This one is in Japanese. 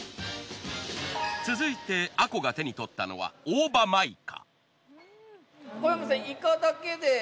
続いてあこが手に取ったのは大葉真いか。